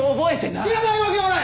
知らないわけはない！